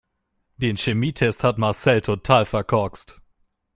Den Chemietest hat Marcel total verkorkst.